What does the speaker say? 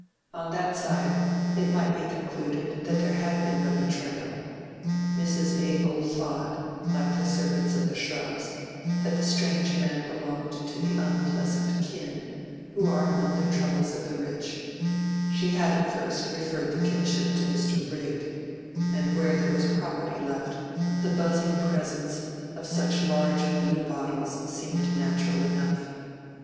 On that side it might be concluded that there had been no betrayal. Mrs. Abel thought, like the servants at The Shrubs, that the strange man belonged to the unpleasant "kin" who are among the troubles of the rich; she had at first referred the kinship to Mr. Rigg, and where there was property left, the buzzing presence of such large blue bottles seemed natural enough.